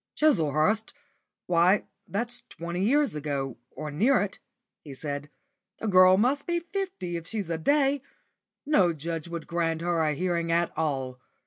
"Chislehurst! Why that's twenty years ago, or near it," he said. "The girl must be fifty if she's a day. No judge would grant her a hearing at all.